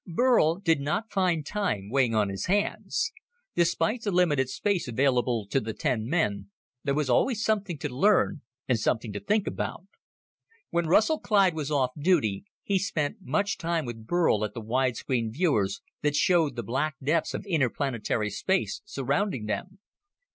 Burl did not find time weighing on his hands. Despite the limited space available to the ten men, there was always something to learn, and something to think about. When Russell Clyde was off duty, he spent much time with Burl at the wide screen viewers that showed the black depths of interplanetary space surrounding them.